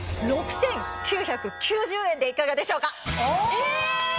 え！